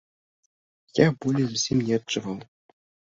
Я болю зусім не адчуваў.